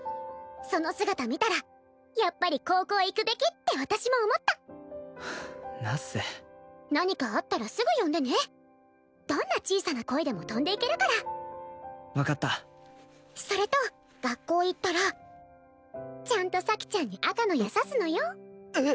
その姿見たらやっぱり高校行くべきって私も思ったナッセ何かあったらすぐ呼んでねどんな小さな声でも飛んでいけるから分かったそれと学校行ったらちゃんと咲ちゃんに赤の矢刺すのよえっ！？